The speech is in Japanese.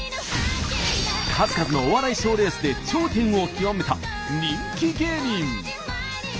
数々のお笑い賞レースで頂点を極めた人気芸人！